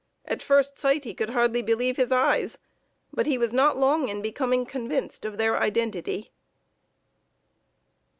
At first sight, he could hardly believe his eyes, but he was not long in becoming convinced of their identity."